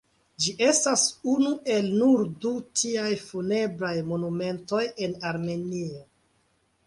Ĝi estas unu el nur du tiaj funebraj monumentoj en Armenio.